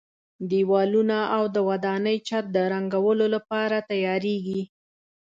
دېوالونه او د ودانۍ چت د رنګولو لپاره تیاریږي.